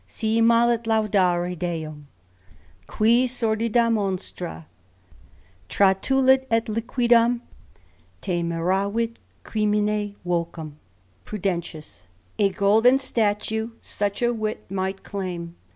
Si mallet laudare Deum^ cut sordida monstra Fratulity et liquidam timeravit crimine vocem, Prudent. " A golden statue such a wit might claim.